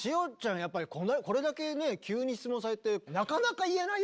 やっぱりこれだけね急に質問されてなかなか言えないよ